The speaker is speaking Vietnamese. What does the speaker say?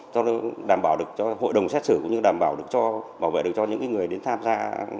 cho đảm bảo được cho hội đồng xét xử cũng như đảm bảo được cho những người đến tham gia